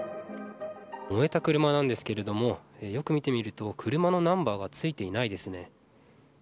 燃えた車なんですがよく見ると車のナンバーが付いていないですね。